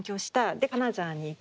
で金沢に行く。